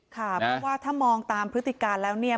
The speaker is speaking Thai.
ค่ะเพราะว่าถ้ามองตามพฤติการแล้วเนี่ย